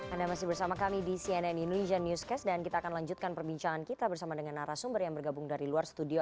anda masih bersama kami di cnn indonesia newscast dan kita akan lanjutkan perbincangan kita bersama dengan narasumber yang bergabung dari luar studio